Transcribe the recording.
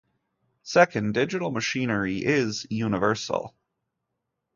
Second, digital machinery is "universal".